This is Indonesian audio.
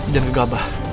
dan ke gabah